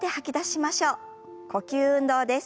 呼吸運動です。